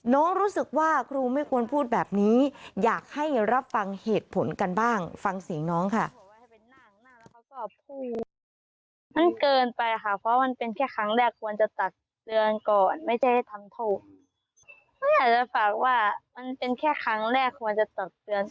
รู้สึกว่าครูไม่ควรพูดแบบนี้อยากให้รับฟังเหตุผลกันบ้างฟังเสียงน้องค่ะ